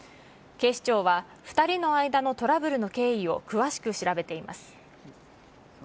警視庁は、２人の間のトラブルの経緯を詳しく調べています。